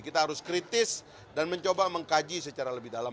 kita harus kritis dan mencoba mengkaji secara lebih dalam